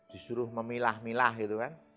disuruh memilah milah gitu kan